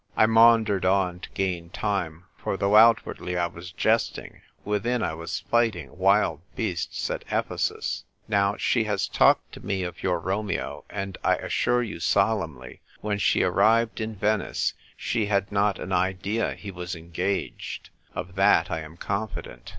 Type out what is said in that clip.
I maundered on, to gain time, for though outwardly I was jesting, within I was fight ing wild beasts at Ephcsus. "Now, she has talked to me of your Romeo, and I assure you solemnl}', when she arrived in Venice she had not an idea he was engaged — of that I am confident."